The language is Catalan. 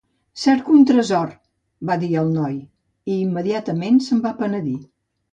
"Cerco un tresor", va dir el noi, i immediatament se'n va penedir.